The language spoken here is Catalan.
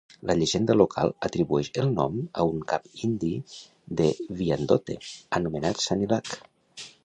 La llegenda local atribueix el nom a un cap indi de wyandotte anomenat Sanilac.